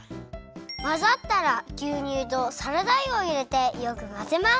まざったらぎゅうにゅうとサラダ油をいれてよくまぜます。